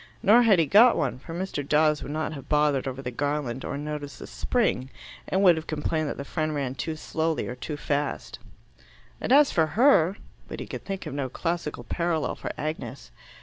Nor had he got one, for Mr. Dawes would not have bothered over the garland or noticed the spring, and would have complained that the friend ran too slowly or too fast. "And as for her !" But he could think of no classical parallel for Agnes.